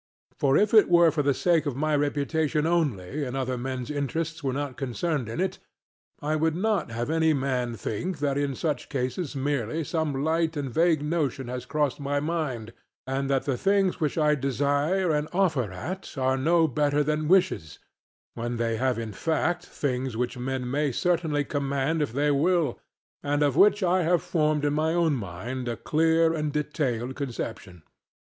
For if it were for the sake of my reputation only and other men's interests were not concerned in it, I would not have any man think that in such cases merely some light and vague notion has crossed my mind, and that the things which I desire and offer at are no better than wishes; when they are in fact things which men may certainly command if they will, and of which I have formed in my own mind a clear and detailed conception.